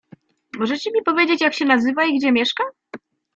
"Możecie mi powiedzieć jak się nazywa i gdzie mieszka?"